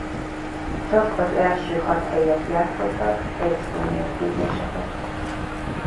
Csak az első hat helyért játszottak helyosztó mérkőzéseket.